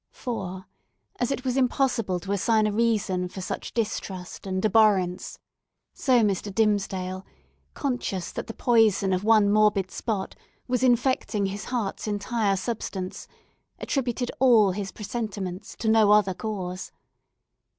For, as it was impossible to assign a reason for such distrust and abhorrence, so Mr. Dimmesdale, conscious that the poison of one morbid spot was infecting his heart's entire substance, attributed all his presentiments to no other cause.